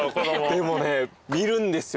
でもね見るんですよ。